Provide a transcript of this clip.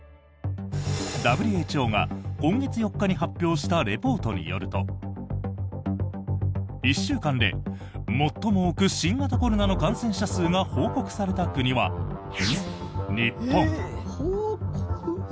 ＷＨＯが今月４日に発表したリポートによると１週間で最も多く新型コロナの感染者数が報告された国は日本。